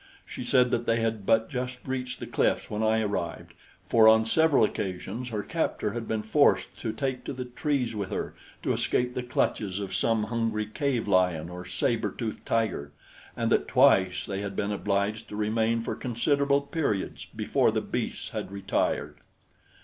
She said that they had but just reached the cliffs when I arrived, for on several occasions her captor had been forced to take to the trees with her to escape the clutches of some hungry cave lion or saber toothed tiger, and that twice they had been obliged to remain for considerable periods before the beasts had retired.